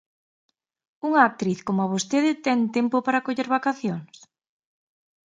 Unha actriz como vostede ten tempo para coller vacacións?